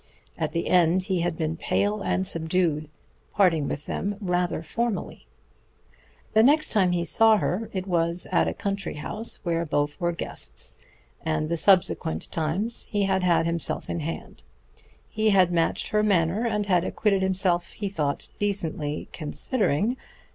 At the end he had been pale and subdued, parting with them rather formally. The next time he saw her it was at a country house where both were guests and the subsequent times, he had had himself in hand. He had matched her manner and had acquitted himself, he thought, decently, considering